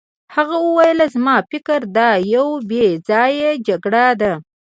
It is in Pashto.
هغه وویل زما په فکر دا یوه بې ځایه جګړه ده.